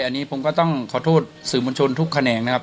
อันนี้ผมก็ต้องขอโทษสื่อมวลชนทุกแขนงนะครับ